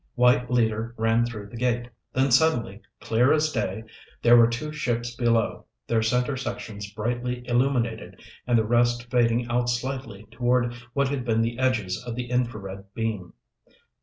White leader ran through the gate, then suddenly, clear as day, there were two ships below, their center sections brightly illuminated and the rest fading out slightly toward what had been the edges of the infrared beam.